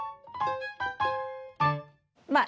まあ